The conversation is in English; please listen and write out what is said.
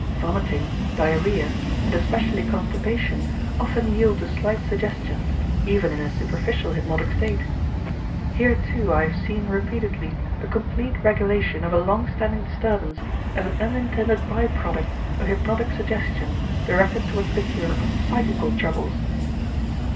Vomiting, diarrhea, and especially constipation, often yield to slight suggestions, even in a superficial hypnotic state. Here, too, I have seen repeatedly a complete regulation of a long standing disturbance as an unintended by product of hypnotic suggestion directed towards the cure of psychical troubles.